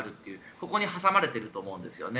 ここに挟まれていると思うんですよね。